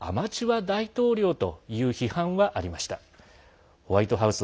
よくも悪くもアマチュア大統領という批判はありました。